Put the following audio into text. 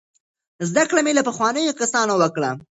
زده کړه مې له پخوانیو کسانو وکړه.